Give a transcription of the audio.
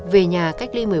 về nhà cách ly một mươi bốn